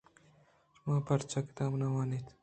شما پرچا کتاب نہ وان اِت